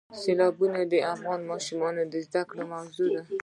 سیلابونه د افغان ماشومانو د زده کړې موضوع ده.